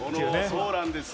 そうなんです。